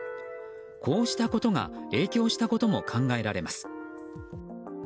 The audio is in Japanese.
こうしたことが影響したことも考えられます。